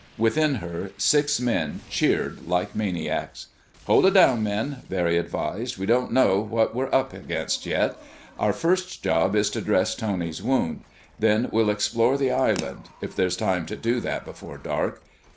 Within her, six men cheered like maniacs. "Hold it down, men," Barry advised. "We don't know what we're up against yet. Our first job is to dress Tony's wound. Then we'll explore the island, if there's time to do that before dark....